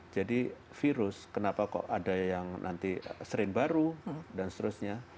jadi virus kenapa kok ada yang nanti sering baru dan seterusnya